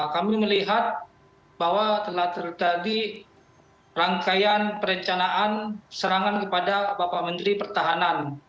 kami melihat bahwa telah terjadi rangkaian perencanaan serangan kepada bapak menteri pertahanan